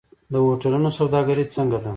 د هوټلونو سوداګري څنګه ده؟